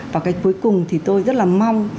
và cái cuối cùng thì tôi rất là mong